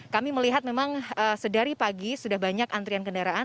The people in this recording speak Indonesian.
kami melihat memang sedari pagi sudah banyak antrian kendaraan